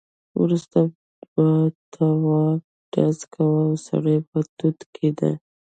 وروسته به توپ ډز کاوه او سړی به ټوټې کېده.